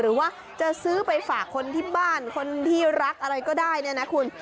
หรือว่าจะซื้อไปฝากคนที่บ้านคนที่รักอะไรก็ได้เนี่ยนะคุณ